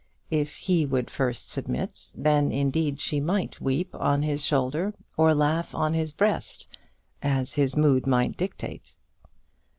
If he would first submit, then, indeed, she might weep on his shoulder or laugh on his breast, as his mood might dictate.